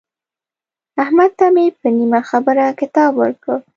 احمد ته مې په نیمه خبره کتاب ورکړ.